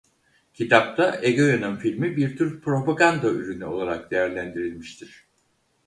Kitapta Egoyan'ın filmi bir tür propaganda ürünü olarak değerlendirilmiştir.